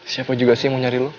siapa juga sih yang mau nyari lo